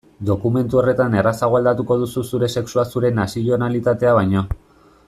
Dokumentu horretan errazago aldatuko duzu zure sexua zure nazionalitatea baino.